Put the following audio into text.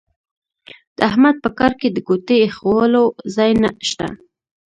د احمد په کار کې د ګوتې اېښولو ځای نه شته.